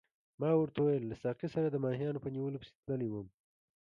ما ورته وویل له ساقي سره د ماهیانو په نیولو پسې تللی وم.